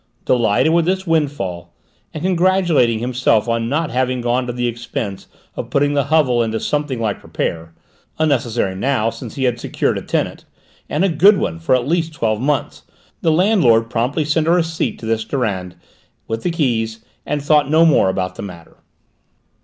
Delighted with this windfall, and congratulating himself on not having gone to the expense of putting the hovel into something like repair unnecessary now, since he had secured a tenant, and a good one, for at least twelve months the landlord promptly sent a receipt to this Durand, with the keys, and thought no more about the matter.